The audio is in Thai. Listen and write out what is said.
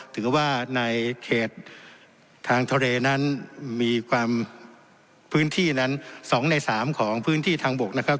ถือว่าในเขตทางทะเลนั้นมีความพื้นที่นั้น๒ใน๓ของพื้นที่ทางบกนะครับ